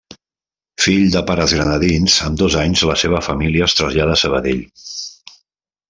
Fill de pares granadins, amb dos anys la seva família es trasllada a Sabadell.